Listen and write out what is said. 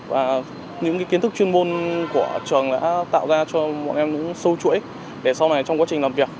và những kiến thức chuyên môn của trường đã tạo ra cho bọn em những sâu chuỗi để sau này trong quá trình làm việc